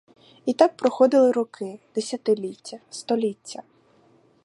І так проходили роки, десятиліття, століття.